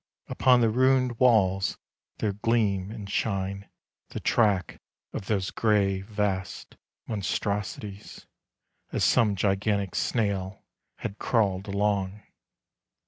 Upon the ruined walls there gleam and shine The track of those grey vast monstrosities — A i some gigantic snail had crawled along.